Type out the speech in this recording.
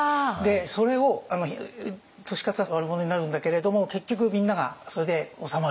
それを利勝は悪者になるんだけれども結局みんながそれで収まると。